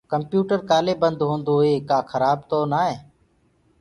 ڪمپيوٽر بند ڪآلي هوندوئي ڪآ خرآب تو نآ هي